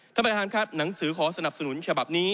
ท่านประธานครับหนังสือขอสนับสนุนฉบับนี้